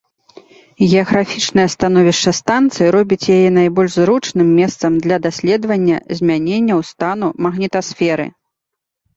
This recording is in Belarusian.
Геаграфічнае становішча станцыі робіць яе найбольш зручным месцам для даследвання змяненняў стану магнітасферы.